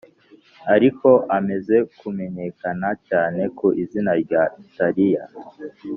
ariko amaze kumenyekana cyane ku izina rya Talia.